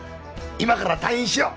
今から退院しよう。